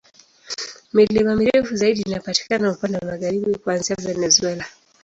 Milima mirefu zaidi inapatikana upande wa magharibi, kuanzia Venezuela.